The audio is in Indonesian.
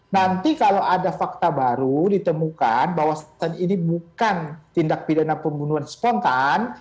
nanti kalau ada fakta baru ditemukan bahwa ini bukan tindak pidana pembunuhan spontan